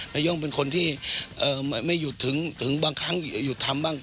นาย่องเป็นคนที่ไม่หยุดถึงบางครั้งหยุดทำบ้าง